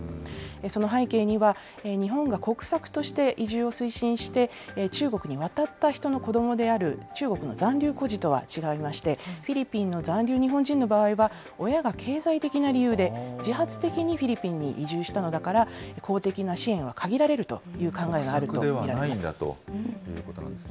その背景には、日本が国策として移住を推進して、中国に渡った人の子どもである中国の残留孤児とは違いまして、フィリピンの残留日本人の場合は親が経済的な理由で、自発的にフィリピンに移住したのだから、公的な支援は限られるという考えがあるためなんです。